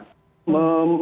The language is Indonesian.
membesarkan dan menggambarkan